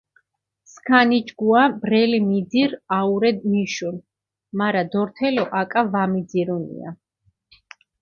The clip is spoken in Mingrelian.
სქანიჯგუა ბრელი მიძირჷ აურე მიშუნ, მარა დორთელო აკა ვამიძირუნია.